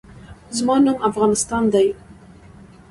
زما نوم افغانستان دی